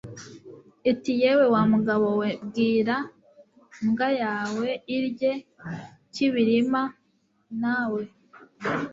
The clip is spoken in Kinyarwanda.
itiyewe wa mugabo we, bwira ... mbwa yawe irye ... kibirima, na we